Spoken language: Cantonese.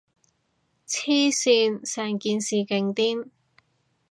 黐線，成件事勁癲